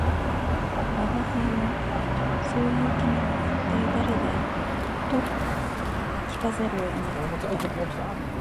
吾輩は「そう云う君は一体誰だい」と聞かざるを得なかった